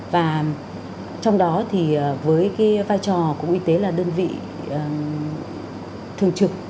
và trong đó thì với cái vai trò cục y tế là đơn vị thường trực